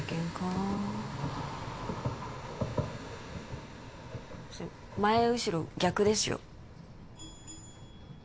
あそれ前後ろ逆ですよ